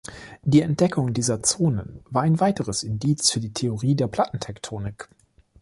Die Entdeckung dieser Zonen war ein weiteres Indiz für die Theorie der Plattentektonik.